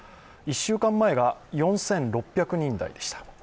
１週間前が４６００人台でした。